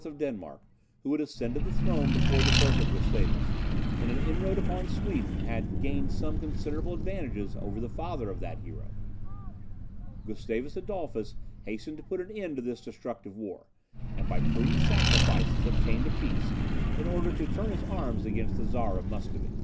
of Denmark, who had ascended the throne before the birth of Gustavus, in an inroad upon Sweden, had gained some considerable advantages over the father of that hero. Gustavus Adolphus hastened to put an end to this destructive war, and by prudent sacrifices obtained a peace, in order to turn his arms against the Czar of Muscovy.